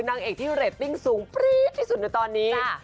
นางเอกที่เลสติ้งสูงที่สุดในตอนนี้